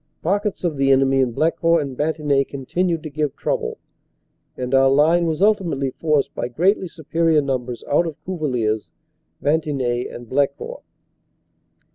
Pockets of the enemy in Ble court and Bantigny continued to give trouble, and our line was ultimately forced by greatly superior numbers out of Cuvillers, Bantigny and Blecourt.